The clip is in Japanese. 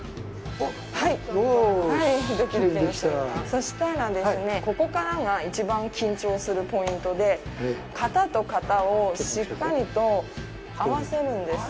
そしたらですね、ここからがいちばん緊張するポイントで、型と型をしっかりと合わせるんです。